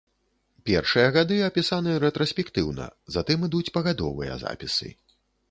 Першыя гады апісаны рэтраспектыўна, затым ідуць пагадовыя запісы.